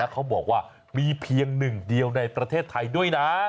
เขาบอกว่ามีเพียงหนึ่งเดียวในประเทศไทยด้วยนะ